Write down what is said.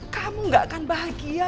kamu gak akan bahagia